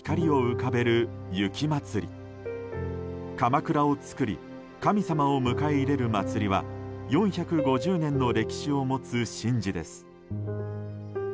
かまくらを作り神様を迎え入れる祭りは４５０年の歴史を持つ神事です。